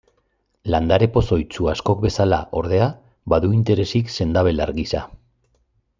Landare pozoitsu askok bezala, ordea, badu interesik sendabelar gisa.